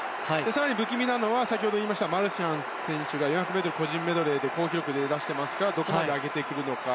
更に不気味なのがマルシャン選手が４００ｍ個人メドレーで好記録を出していますからどこまで上げてくるのか。